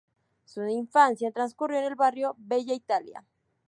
Su infancia transcurrió en el barrio Bella Italia.